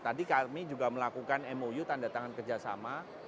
tadi kami juga melakukan mou tanda tangan kerjasama